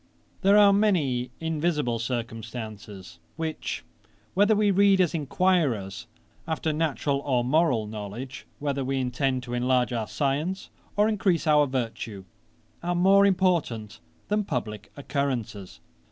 'There are many invisible circumstances, which whether we read as enquirers after natural or moral knowledge, whether we intend to enlarge our science, or increase our virtue, are more important than publick occurrences.